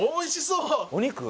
お肉？